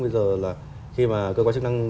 bây giờ là khi mà cơ quan chức năng